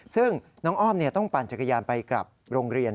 ซึ่งน้องอ้อมต้องปั่นจักรยานไปกลับโรงเรียน